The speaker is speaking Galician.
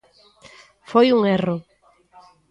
Foi un erro.